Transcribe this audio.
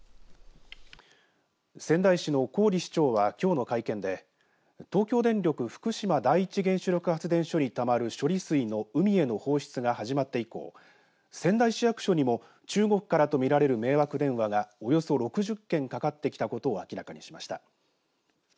仙台市の郡市長はきょうの会見で東京電力福島第一原子力発電所にたまる処理水の海への放出が始まって以降仙台市役所にも中国からと見られる迷惑電話がおよそ６０件かかってきたことを明らかにしました。